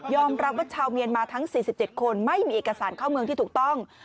รับว่าชาวเมียนมาทั้ง๔๗คนไม่มีเอกสารเข้าเมืองที่ถูกต้อง